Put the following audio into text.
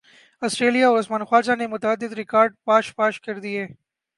سٹریلیا اور عثمان خواجہ نے متعدد ریکارڈز پاش پاش کر دیے